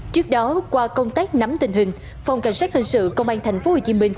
trước đó qua công tác nắm tình hình phòng cảnh sát hình sự công an tp hcm